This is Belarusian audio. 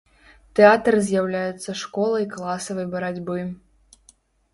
Тэатр з'яўляецца школай класавай барацьбы.